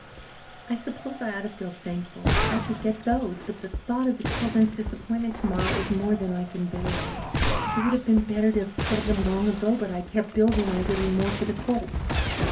I suppose I ought to feel thankful I could get those. But the thought of the children's disappointment tomorrow is more than I can bear. It would have been better to have told them long ago, but I kept building on getting more for the colt.